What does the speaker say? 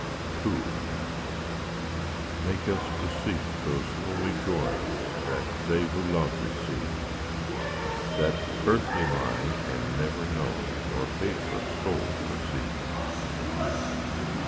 II Make us to seek those holy joys, That they who love receive; That earthly mind can never know, Nor faithless soul perceive.